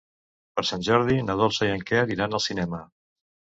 Per Sant Jordi na Dolça i en Quer iran al cinema.